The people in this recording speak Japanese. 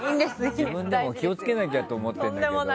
自分でも気をつけなきゃって思ってるんだけど。